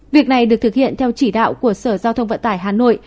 việc này được thực hiện theo chỉ đạo của sở giao thông vận tải hà nội